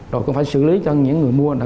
rồi cũng phải xử lý cho những người mua